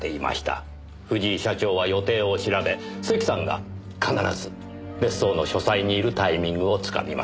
藤井社長は予定を調べ関さんが必ず別荘の書斎にいるタイミングをつかみます。